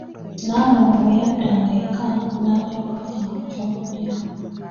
Naalongo bwe yaddanga eka, n'alyokka affuna ku kyokulya.